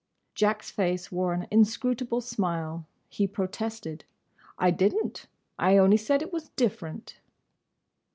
Jack's face wore an inscrutable smile. He protested. "I didn't. I only said it was different."